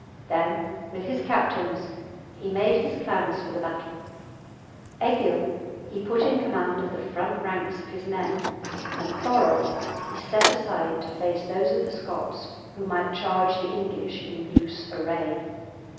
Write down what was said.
Then with his captains he made his plans for the battle. Egil he put in command of the front ranks of his men, and Thorolf he set aside to face those of the Scots who might charge the English in loose array.